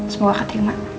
semoga kak terima